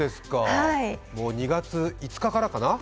２月５日からかな。